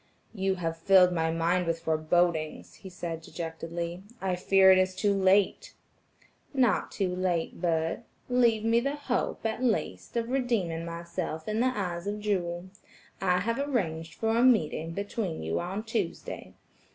"You have filled my mind with forbodings," he said dejectedly, "I fear it is too late." "Not too late, Bert; leave me the hope, at least, of redeeming myself in the eyes of Jewel. I have arranged for a meeting between you on Tuesday.